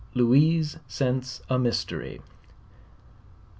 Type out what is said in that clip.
LOUISE SCENTS A MYSTERY.